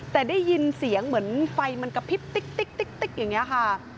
แต่ได้ยินเสียงเหมือนไฟมันกระพริบติ๊กอย่างนี้ค่ะ